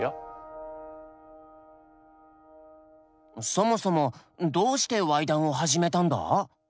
そもそもどうしてわい談を始めたんだ？